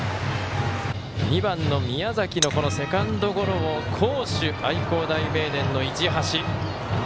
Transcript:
２番の宮崎のセカンドゴロを好守、愛工大名電の市橋。